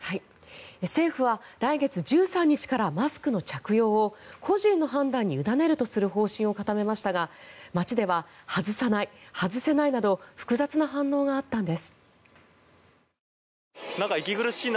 政府は来月１３日からマスクの着用を個人の判断に委ねるとする方針を固めましたが街では外さない、外せないなど複雑な反応があったんです。